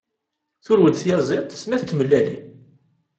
Turew-d tayaziḍt snat n tmellalin.